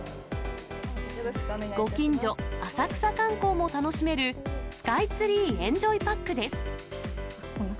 ご近所、浅草観光も楽しめる、スカイツリーエンジョイパックです。